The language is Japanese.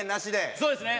そうですね。